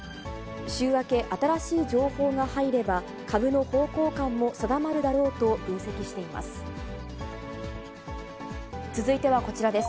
週明け、新しい情報が入れば、株の方向感も定まるだろうと分析しています。